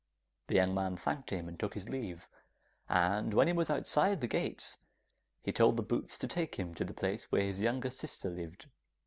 The young man thanked him and took his leave, and when he was outside the gates he told the boots to take him to the place where his youngest sister lived.